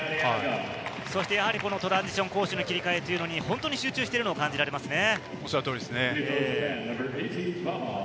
やはりトランジション、攻守の切り替えというのも集中しているのを感じますね。